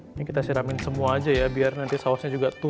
ini kita siramin semua aja ya biar nanti sausnya juga